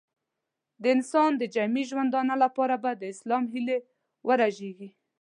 د انسان د جمعي ژوندانه لپاره به د اسلام هیلې ورژېږي.